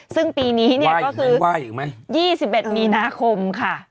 ซึ่งปีนี้เนี่ยก็คือ๒๑มีนาคมค่ะ